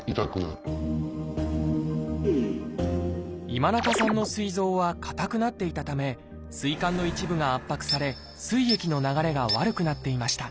今中さんのすい臓は硬くなっていたためすい管の一部が圧迫されすい液の流れが悪くなっていました。